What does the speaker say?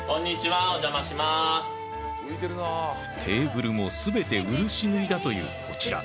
テーブルも全て漆塗りだというこちら。